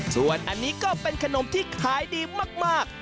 ส่วนอันนี้ก็เป็นขนมที่ขายดีมาก